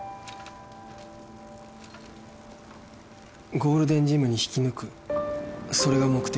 ゴールデンジムに引き抜くそれが目的